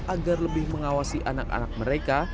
agar lebih mengawasi anak anak mereka